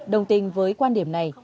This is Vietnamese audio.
đồng tình với quan điểm này